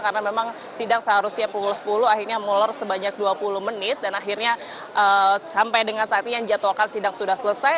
karena memang sidang seharusnya pukul sepuluh akhirnya mulai sebanyak dua puluh menit dan akhirnya sampai dengan saat ini yang jadwalkan sidang sudah selesai